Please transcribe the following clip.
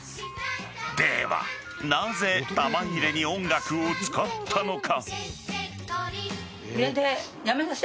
では、なぜ玉入れに音楽を使ったのか。